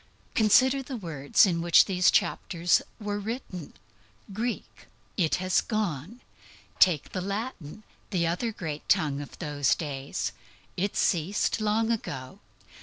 Consider the words in which these chapters were written Greek. It has gone. Take the Latin the other great tongue of those days. It ceased long ago.